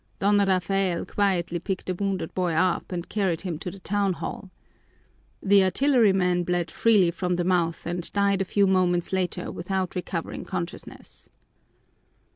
Don Rafael quietly picked the wounded boy up and carried him to the town hall. The artilleryman bled freely from the mouth and died a few moments later without recovering consciousness.